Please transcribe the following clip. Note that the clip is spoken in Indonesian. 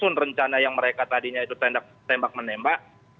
pun rencana yang mereka tadinya itu tembak menembak